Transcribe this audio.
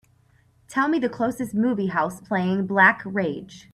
Tell me the closest movie house playing Black Rage